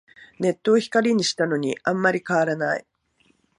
ネットを光にしたのにあんまり変わらない